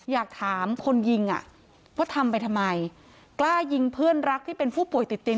อยากถามคนยิงอ่ะว่าทำไปทำไมกล้ายิงเพื่อนรักที่เป็นผู้ป่วยติดเตียง